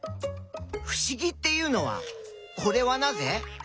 ふしぎっていうのは「これはなぜ？」